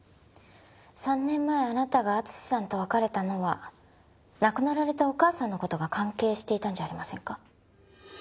３年前あなたが淳史さんと別れたのは亡くなられたお母さんの事が関係していたんじゃありませんか？